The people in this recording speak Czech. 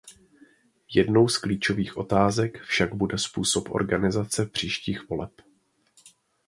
Jednou z klíčových otázek však bude způsob organizace příštích voleb.